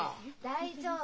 大丈夫。